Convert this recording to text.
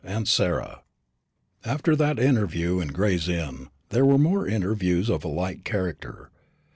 AUNT SARAH. After that interview in Gray's Inn, there were more interviews of a like character.